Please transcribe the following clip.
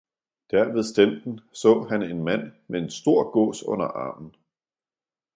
Der ved stenten så han en mand med en stor gås under armen.